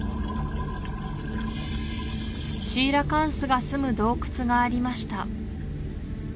シーラカンスがすむ洞窟がありました